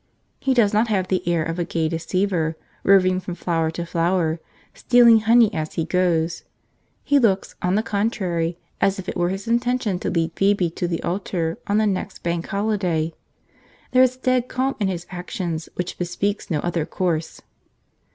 He does not have the air of a gay deceiver roving from flower to flower, stealing honey as he goes; he looks, on the contrary, as if it were his intention to lead Phoebe to the altar on the next bank holiday; there is a dead calm in his actions which bespeaks no other course.